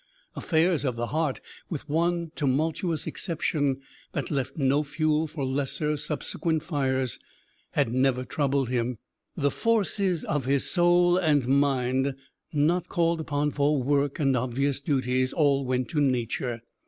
Affairs of the heart, with one tumultuous exception that left no fuel for lesser subsequent fires, had never troubled him. The forces of his soul and mind not called upon for "work" and obvious duties, all went to Nature.